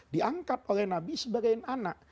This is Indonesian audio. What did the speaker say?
diangkat oleh nabi sebagai anak